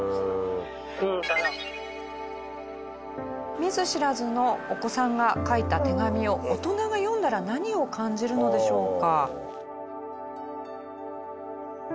見ず知らずのお子さんが書いた手紙を大人が読んだら何を感じるのでしょうか？